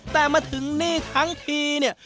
แต่มาถึงนี่ทั้งทีเนี่ย